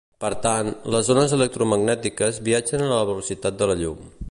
Per tant, les ones electromagnètiques viatgen a la velocitat de la llum.